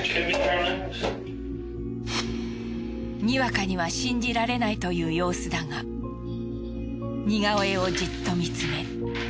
にわかには信じられないという様子だが似顔絵をじっと見つめ